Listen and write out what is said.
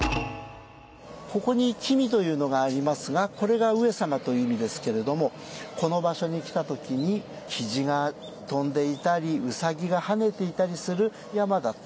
ここに「后」というのがありますがこれが上様という意味ですけれどもこの場所に来た時に雉が飛んでいたり兎が跳ねていたりする山だった。